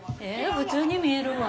普通に見えるわ。